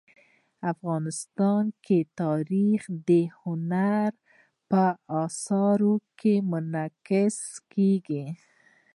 افغانستان کې تاریخ د هنر په اثار کې منعکس کېږي.